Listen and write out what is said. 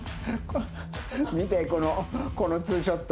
見てこのこのツーショット。